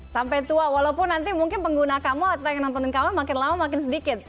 sampai tua walaupun nanti mungkin pengguna kamu atau yang nontonin kamu makin lama makin sedikit